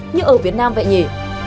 như ở việt nam vậy nhỉ